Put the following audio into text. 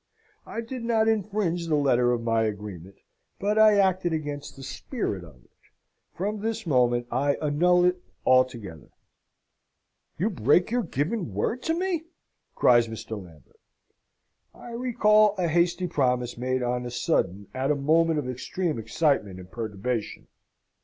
I did not infringe the letter of my agreement, but I acted against the spirit of it. From this moment I annul it altogether." "You break your word given to me!" cries Mr. Lambert. "I recall a hasty promise made on a sudden at a moment of extreme excitement and perturbation.